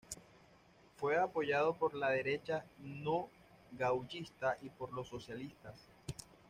Fue apoyado por la derecha no gaullista y por los socialistas.